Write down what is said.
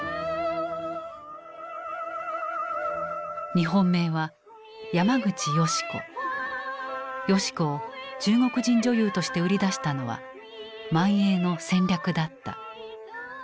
日本名は淑子を中国人女優として売り出したのは満映の戦略だった。